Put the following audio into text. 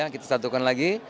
kita satukan lagi